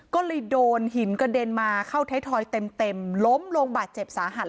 ก็เลยโดนหินกระเด็นมาเข้าไทยทอยเต็มล้มลงบาดเจ็บสาหัส